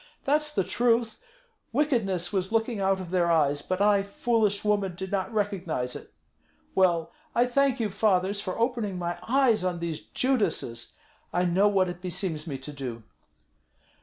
That's the truth! Wickedness was looking out of their eyes; but I, foolish woman, did not recognize it. Well, I thank you, fathers, for opening my eyes on these Judases. I know what it beseems me to do."